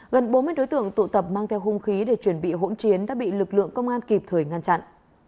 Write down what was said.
gần bốn mươi đối tượng tụ tập mang theo hung khí để chuẩn bị hỗn chiến đã bị lực lượng công an kịp thời ngăn chặn